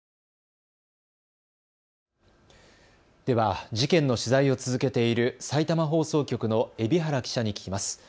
では事件の取材を続けているさいたま放送局の海老原記者に聞きます。